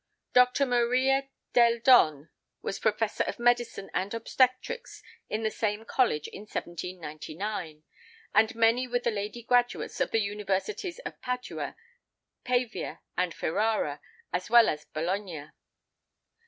Dr. Maria delle Donne was professor of medicine and obstetrics in the same college in 1799; and many were the lady graduates of the Universities of Padua, Pavia and Ferrara, as well as Bologna.